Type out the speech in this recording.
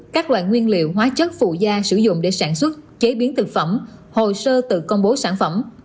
các loại nguyên liệu hóa chất phụ da sử dụng để sản xuất chế biến thực phẩm hồ sơ tự công bố sản phẩm